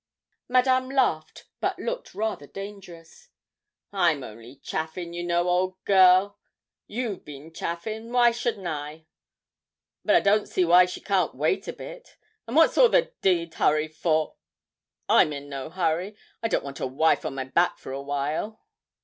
Madame laughed, but looked rather dangerous. 'I'm only chaffin', you know, old girl. You've bin chaffin' w'y shouldn't I? But I don't see why she can't wait a bit; and what's all the d d hurry for? I'm in no hurry. I don't want a wife on my back for a while.